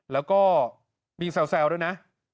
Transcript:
แล้วก็มีแซวด้วยนะ